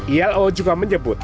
ilo juga menyebut